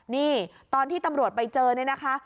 นี่ตอนที่ตำรวจไปเจอนี่นะคะ